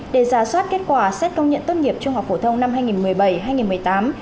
để giả soát kết quả xét công nhận tốt nghiệp trung học phổ thông năm hai nghìn một mươi bảy hai nghìn một mươi tám